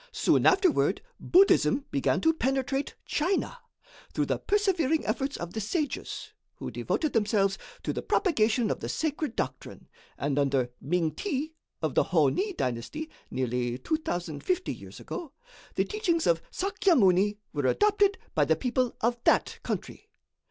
Soon afterward, Buddhism began to penetrate China, through the persevering efforts of the sages, who devoted themselves to the propagation of the sacred doctrine, and under Ming Ti, of the Honi dynasty, nearly 2,050 years ago, the teachings of Sakya Muni were adopted by the people of that country.